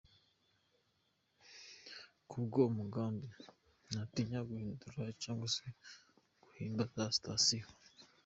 Ku bw’uwo mugambi ntatinya guhindura cyangwa se guhimba za citations.